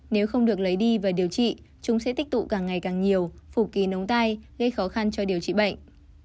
nếu không được lấy đi và điều trị chúng sẽ tích tụ càng ngày càng nhiều phụ kín ống tay gây khó khăn cho điều trị bệnh